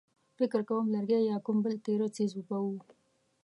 فکر کوم لرګی يا کوم بل تېره څيز به و.